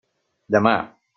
Demà!